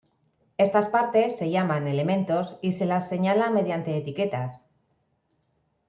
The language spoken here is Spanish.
Estas partes se llaman "elementos", y se las señala mediante etiquetas.